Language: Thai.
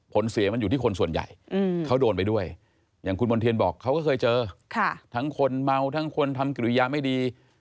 เสียมันอยู่ที่คนส่วนใหญ่เขาโดนไปด้วยอย่างคุณมณ์เทียนบอกเขาก็เคยเจอทั้งคนเมาทั้งคนทำกิริยาไม่ดี